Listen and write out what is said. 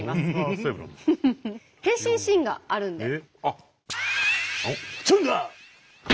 変身シーンがあるんで。